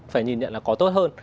phải nhìn nhận là có tốt hơn